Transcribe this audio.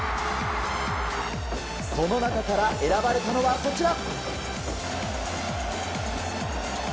その中から選ばれたのはこちら。